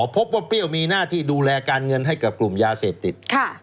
เปรี้ยวมีหน้าที่ดูแลการเงินให้กับกลุ่มยาเสพติด